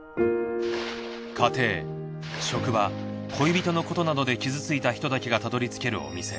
家庭職場恋人のことなどで傷ついた人だけがたどり着けるお店。